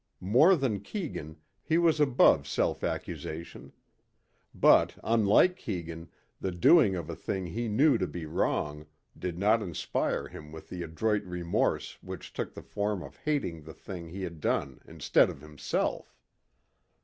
More than Keegan, he was above self accusation. But unlike Keegan the doing of a thing he knew to be wrong did not inspire him with the adroit remorse which took the form of hating the thing he had done instead of himself.